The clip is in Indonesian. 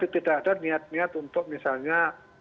tidak ada niat niat untuk misalnya